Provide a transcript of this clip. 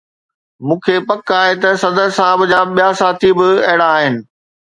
مون کي پڪ آهي ته صدر صاحب جا ٻيا ساٿي به اهڙا آهن.